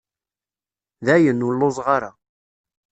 Dayen, ur lluẓeɣ ara.